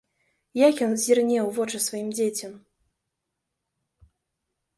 Як ён зірне ў вочы сваім дзецям?